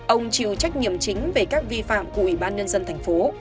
ông chịu trách nhiệm chính về các vi phạm của ủy ban nhân dân tp